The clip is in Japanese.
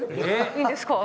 いいんですか？